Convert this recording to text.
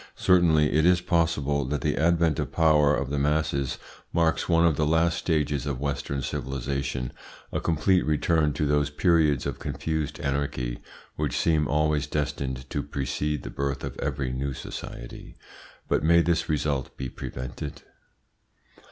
Certainly it is possible that the advent to power of the masses marks one of the last stages of Western civilisation, a complete return to those periods of confused anarchy which seem always destined to precede the birth of every new society. But may this result be prevented?